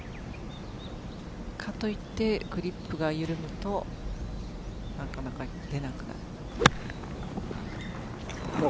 かといってグリップが緩むとなかなか出なくなる。